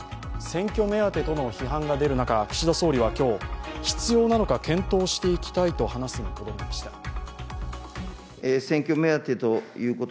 選挙目当てとの批判が出る中、岸田総理は今日、必要なのか検討していきたいと話すにとどめました。